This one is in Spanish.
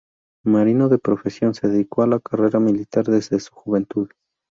Marino de profesión, se dedicó a la carrera militar desde su juventud.